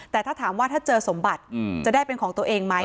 แต่ถ้าถามว่าถ้าเจอสมบัติจะได้เป็นของตัวเองไหม